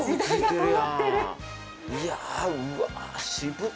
いやうわ渋っ！